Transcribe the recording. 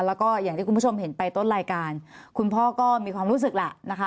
แล้วก็อย่างที่คุณผู้ชมเห็นไปต้นรายการคุณพ่อก็มีความรู้สึกแหละนะคะ